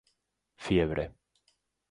Fiebre